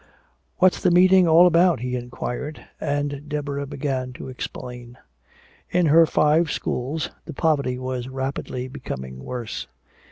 "What's the meeting all about?" he inquired. And Deborah began to explain. In her five schools the poverty was rapidly becoming worse.